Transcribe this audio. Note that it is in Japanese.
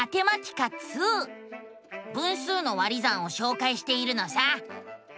分数の「割り算」をしょうかいしているのさ。